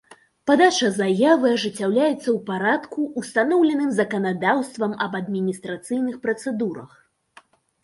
Падача заявы ажыццяўляецца ў парадку, устаноўленым заканадаўствам аб адмiнiстрацыйных працэдурах.